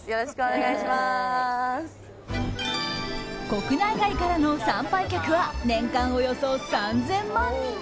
国内外からの参拝客は年間およそ３０００万人。